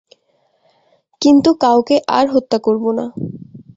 কিন্তু কাউকে আর হত্যা করব না।